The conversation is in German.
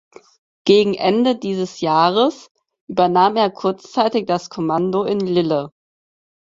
Gegen Ende dieses Jahres übernahm er kurzzeitig das Kommando in Lille.